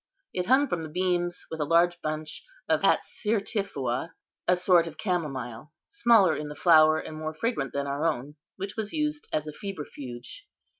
It hung from the beams, with a large bunch of atsirtiphua, a sort of camomile, smaller in the flower and more fragrant than our own, which was used as a febrifuge.